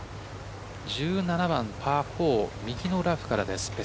１７番パー４右のラフからです。